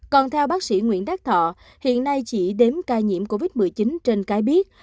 còn theo bác sĩ nguyễn đắc thọ hiện nay chỉ đếm ca nhiễm covid một mươi chín trên cái biết